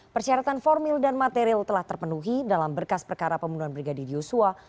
persyaratan formil dan material telah terpenuhi dalam berkas perkara pembunuhan brigadir yosua